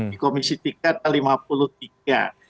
di komisi tiga ada lima puluh tiga